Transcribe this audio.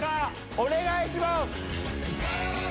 お願いします。